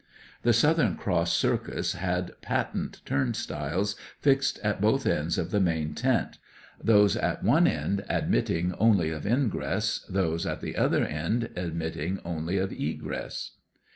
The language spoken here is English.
The Southern Cross circus had patent turnstiles fixed at both ends of the main tent, those at one end admitting only of ingress, those at the other end admitting only of egress.